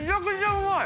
うまい！